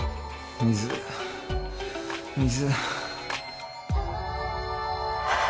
水水